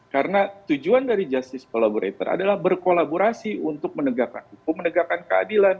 karena tujuan dari justice collaborator adalah berkolaborasi untuk menegakkan hukum menegakkan keadilan